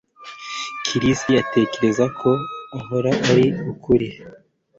Chris atekereza ko ahora ari ukuri